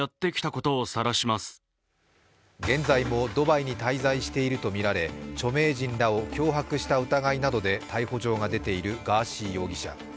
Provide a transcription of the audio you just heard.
現在もドバイに滞在しているとみられ、著名人を脅迫した疑いなどで逮捕状が出ているガーシー容疑者。